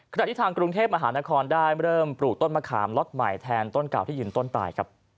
ที่ทางกรุงเทพมหานครได้เริ่มปลูกต้นมะขามล็อตใหม่แทนต้นเก่าที่ยืนต้นตายครับ